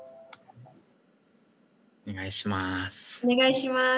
お願いします。